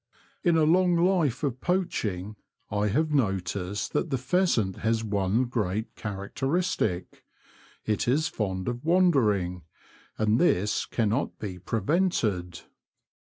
In a long life of poaching I have noticed that the pheasant has one great characteristic. It is fond of wan dering ; and this cannot be prevented.